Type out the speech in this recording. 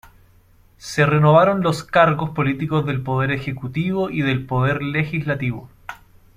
Se renovaron los cargos políticos del Poder Ejecutivo y del Poder Legislativo.